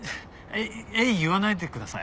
言わないでください。